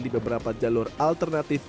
di beberapa jalur alternatif